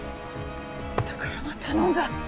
貴山頼んだ。